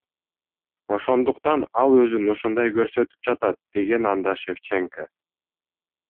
Ошондуктан ал өзүн ушундай көрсөтүп жатат, — деген анда Шевченко.